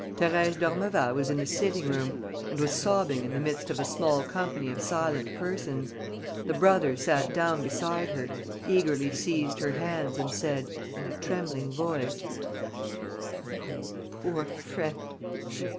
Thérèse d'Ormeval was in the sitting room and was sobbing in the midst of a small company of silent persons. The brother sat down beside her, eagerly seized her hands and said, in a trembling voice: "My poor friend!...